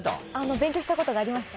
勉強したことがありました。